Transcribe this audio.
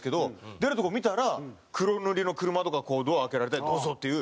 出るとこ見たら黒塗りの車とかこうドア開けられて「どうぞ」っていう。